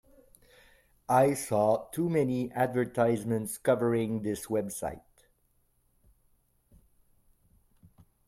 I saw too many advertisements covering this website.